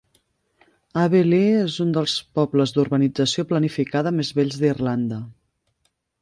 Abbeyleix és un dels pobles d'urbanització planificada més vells d'Irlanda.